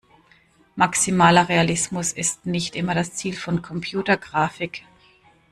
Maximaler Realismus ist nicht immer das Ziel von Computergrafik.